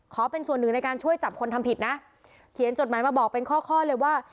เป็นส่วนหนึ่งในการช่วยจับคนทำผิดนะเขียนจดหมายมาบอกเป็นข้อข้อเลยว่า